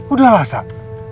udah lah sak